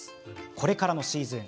これからのシーズン